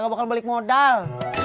gak bakal balik modal